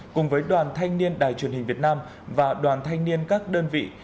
cùng với đoàn thanh niên đài truyền hình việt nam và đoàn thanh niên các đơn vị